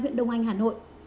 huyện đông anh hà nội